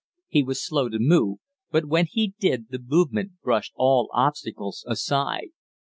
He was slow to move, but when he did the movement brushed all obstacles aside.